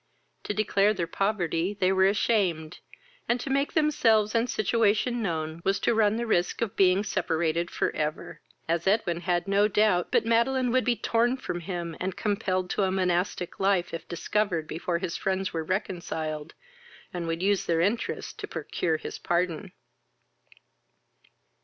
To declare their poverty they were ashamed, and to make themselves and situation known was to run the risk of being separated for ever, as Edwin had no doubt but Madeline would be torn from him, and compelled to a monastic life, if discovered before his friends were reconciled, and would use their interest to procure his pardon.